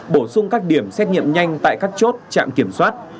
bổ sung các điểm xét nghiệm nhanh tại các chốt trạm kiểm soát